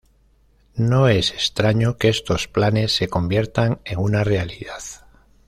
No es extraño que estos planes se conviertan en una realidad.